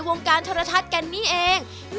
วงการโทรทัศน์กันนี่เอง